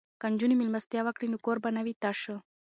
که نجونې میلمستیا وکړي نو کور به نه وي تش.